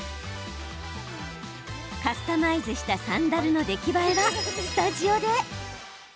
カスタマイズしたサンダルの出来栄えはスタジオで。